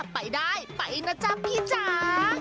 ไปได้ไปนะจ๊ะพี่จ๋า